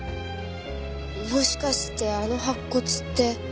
もしかしてあの白骨って。